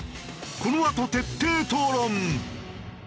このあと徹底討論！